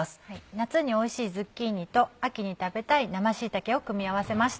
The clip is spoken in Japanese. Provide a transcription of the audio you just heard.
夏においしいズッキーニと秋に食べたい生椎茸を組み合わせました。